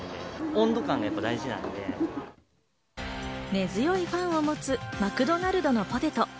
根強いファンを持つマクドナルドのポテト。